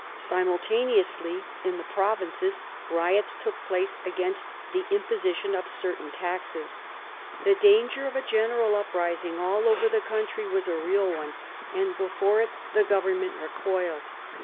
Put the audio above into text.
Simultaneously in the provinces riots took place against the imposition of certain taxes. The danger of a general uprising all over the country was a real one, and before it the government recoiled.